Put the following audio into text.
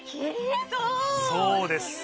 そうです。